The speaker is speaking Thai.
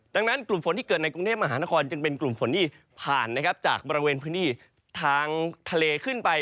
ดังนั้นกลุ่มฝนที่เกิดในกรุงเทพมหานครจึงเป็นกลุ่มฝนที่ผ่านนะครับจากบริเวณพื้นที่ทางทะเลขึ้นไป